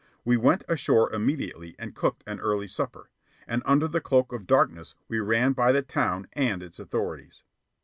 We went ashore immediately and cooked an early supper; and under the cloak of darkness we ran by the town and its authorities.